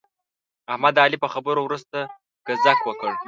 احمد د علي په خبرو ورسته ګذک وکړ.